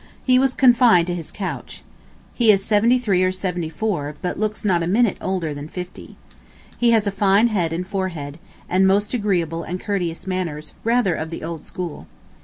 He was confined to his couch. ... He is seventy three or seventy four, but looks not a minute older than fifty. He has a fine head and forehead, and most agreeable and courteous manners, rather of the old school.